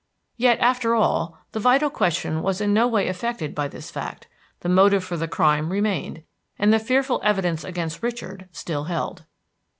Yet, after all, the vital question was in no way affected by this fact; the motive for the crime remained, and the fearful evidence against Richard still held.